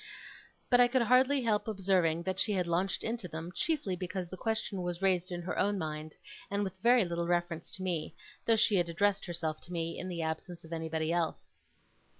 But I could hardly help observing that she had launched into them, chiefly because the question was raised in her own mind, and with very little reference to me, though she had addressed herself to me in the absence of anybody else.